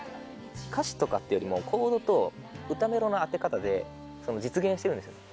歌詞とかってよりもコードと歌メロの当て方で実現してるんですよね。